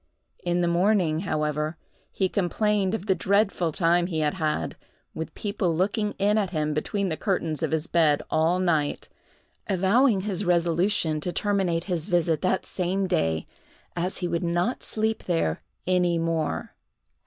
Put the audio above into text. In the morning, however, he complained of the dreadful time he had had, with people looking in at him between the curtains of his bed all night—avowing his resolution to terminate his visit that same day, as he would not sleep there any more.